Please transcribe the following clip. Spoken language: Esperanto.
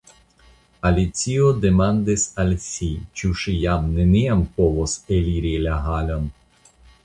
Alicio demandis al si, ĉu ŝi jam neniam povos eliri la halon.